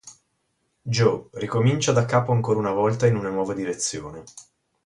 Joe" ricomincia da capo ancora una volta in una nuova direzione.